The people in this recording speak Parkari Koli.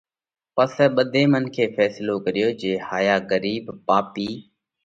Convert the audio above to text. پسئہ ٻڌي منکي ڦينصلو ڪريو جي هايا ڳرِيٻ پاپِي